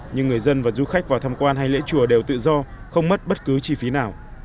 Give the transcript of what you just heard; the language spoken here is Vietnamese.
nhưng người dân và du khách vào tham quan hay lễ chùa đều tự do không mất bất cứ chi phí nào